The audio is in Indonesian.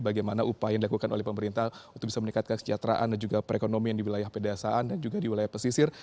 bagaimana upaya yang dilakukan oleh pemerintah untuk bisa meningkatkan kesejahteraan dan juga perekonomian di wilayah pedesaan dan juga di wilayah pesisir